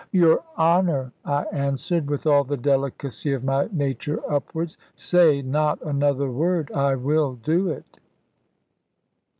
"Your honour," I answered, with all the delicacy of my nature upwards; "say not another word. I will do it."